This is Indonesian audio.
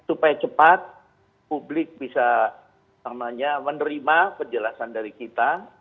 supaya cepat publik bisa menerima penjelasan dari kita